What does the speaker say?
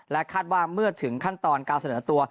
คาดว่าเมื่อถึงขั้นตอนการเสนอตัว